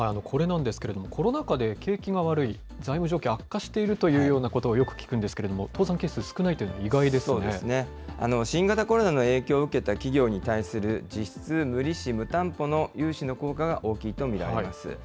これなんですけれども、コロナ禍で景気が悪い、財務状況、悪化しているというようなことをよく聞くんですけれども、倒産件数、そうですね、新型コロナの影響を受けた企業に対する実質無利子・無担保の融資の効果が大きいと見られます。